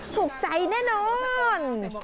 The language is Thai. ถูกใจแน่นอน